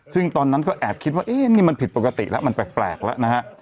ซึ่งตอนนั้นก็แอบคิดว่านี่มันผิดปกติแล้วมันแปลกแล้วนะฮะ